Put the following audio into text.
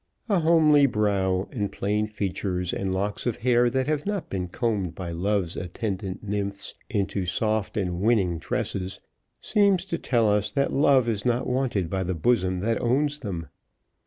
A homely brow, and plain features, and locks of hair that have not been combed by Love's attendant nymphs into soft and winning tresses, seems to tell us that Love is not wanted by the bosom that owns them.